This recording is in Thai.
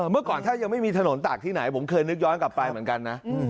เมื่อก่อนถ้ายังไม่มีถนนตากที่ไหนผมเคยนึกย้อนกลับไปเหมือนกันนะ